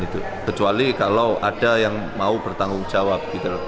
kecuali kalau ada yang mau bertanggung jawab